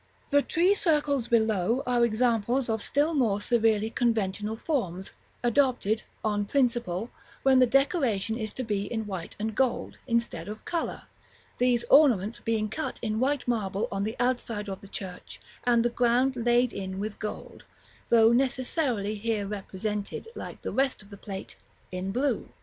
The tree circles below are examples of still more severely conventional forms, adopted, on principle, when the decoration is to be in white and gold, instead of color; these ornaments being cut in white marble on the outside of the church, and the ground laid in with gold, though necessarily here represented, like the rest of the plate, in blue.